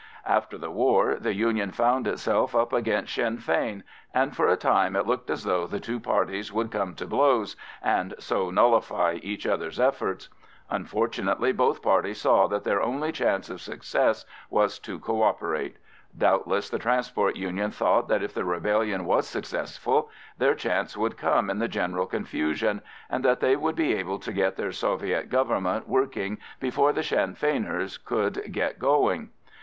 After the war the Union found itself up against Sinn Fein, and for a time it looked as though the two parties would come to blows and so nullify each other's efforts. Unfortunately both parties saw that their only chance of success was to co operate; doubtless the Transport Union thought that if the rebellion was successful their chance would come in the general confusion, and that they would be able to get their Soviet Government working before the Sinn Feiners could get going.